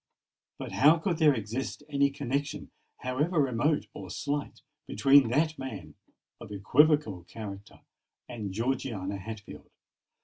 But how could there exist any connexion, however remote or slight, between that man of equivocal character and Georgiana Hatfield?